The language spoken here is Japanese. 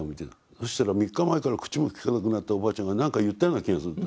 そうしたら３日前から口もきかなくなったおばあちゃんが何か言ったような気がすると。